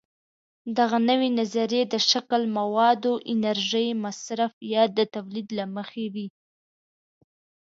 دغه نوې نظریې د شکل، موادو، انرژۍ مصرف یا د تولید له مخې وي.